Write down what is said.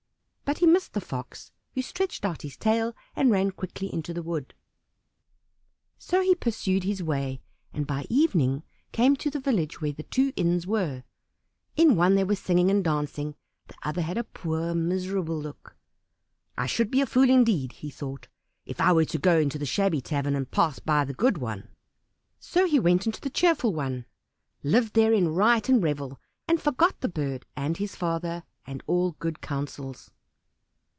But he missed the Fox, who stretched out his tail and ran quickly into the wood. So he pursued his way, and by evening came to the village where the two inns were; in one they were singing and dancing; the other had a poor, miserable look. "I should be a fool, indeed," he thought, "if I were to go into the shabby tavern, and pass by the good one." So he went into the cheerful one, lived there in riot and revel, and forgot the bird and his father, and all good counsels.